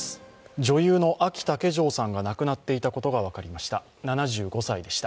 女優のあき竹城さんが亡くなっていたことが分かりました。